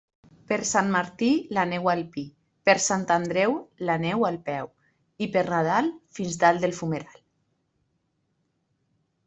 Per Sant Martí, la neu al pi; per Sant Andreu, la neu al peu, i per Nadal, fins dalt del fumeral.